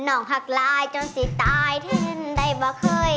หนองหักลายจงชีตายเธอเล่นได้บ่เคย